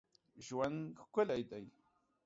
ژوند ښکلی دی